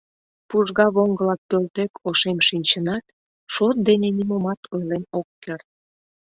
Пужгавоҥгыла пӧлтӧк ошем шинчынат, шот дене нимомат ойлен ок керт.